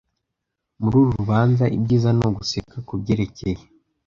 muri uru rubanza ibyiza ni uguseka kubyerekeye